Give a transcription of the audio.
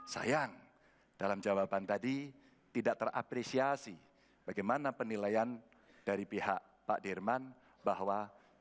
sayang dalam jawaban tadi tidak terapresiasi bagaimana penilaian dari pihak pak dirman bahwa